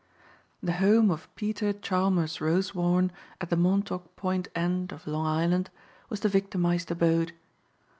The home of Peter Chalmers Rosewarne at the Montauk Point end of Long Island was the victimized abode.